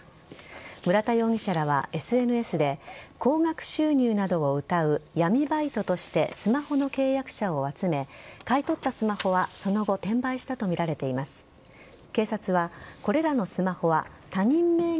村田容疑者らはＳＮＳで高額収入などをうたう闇バイトとしてスマホの契約者を集め買い取ったスマホはその後、転売したとずーっと雪ならいいのにねー！